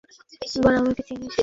বল আমাকে চিনিস।